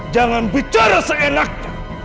jangan bicara seenaknya